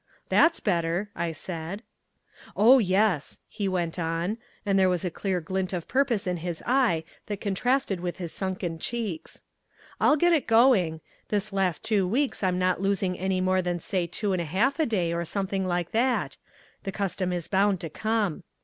"That's better," I said. "Oh, yes," he went on, and there was a clear glint of purpose in his eye that contrasted with his sunken cheeks. "I'll get it going. This last two weeks I'm not losing more than say two and a half a day or something like that? The custom is bound to come.